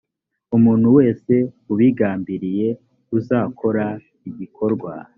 umuntu wese ubigambiriye uzakora igikorwa